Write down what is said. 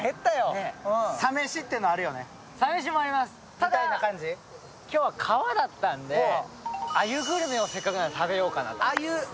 ただ、今日は川だったんで鮎グルメをせっかくなんで食べようかなと。